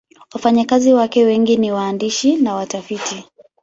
Wafanyakazi wake wengi ni waandishi na watafiti.